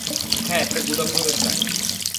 হ্যাঁ, একটা গুদামঘরের চাকরি।